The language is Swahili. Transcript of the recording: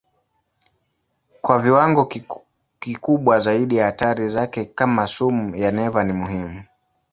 Kwa viwango kikubwa zaidi hatari zake kama sumu ya neva ni muhimu.